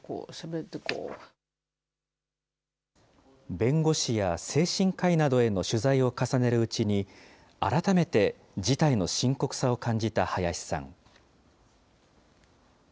弁護士や精神科医などへの取材を重ねるうちに、改めて事態の深刻さを感じた林さん。